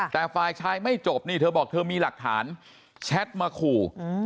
แต่ฝ่ายชายไม่จบนี่เธอบอกเธอมีหลักฐานแชทมาขู่